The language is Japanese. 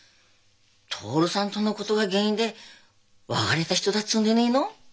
徹さんとのことが原因で別れた人だっつうんでねえの？